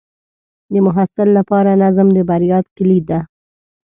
د محصل لپاره نظم د بریا کلید دی.